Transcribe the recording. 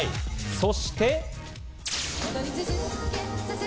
そして。